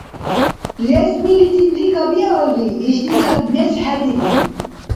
Лезмилизиб лига биалри, ишдицад мез хӀедири.